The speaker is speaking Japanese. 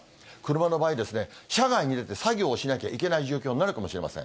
車の場合、車外に出て作業をしなきゃいけない状況になるかもしれません。